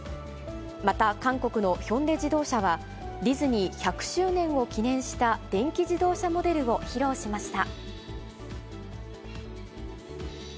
また韓国のヒョンデ自動車は、ディズニー１００周年を記念した電気自動車モデルを披露しました。